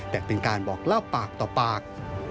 แต่เป็นการบอกเล่าปากต่อปาก